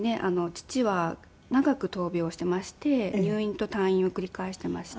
父は長く闘病をしていまして入院と退院を繰り返していまして。